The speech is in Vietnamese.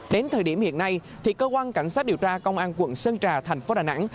đến thời điểm hiện nay cơ quan cảnh sát điều tra công an quận sơn trà thành phố đà nẵng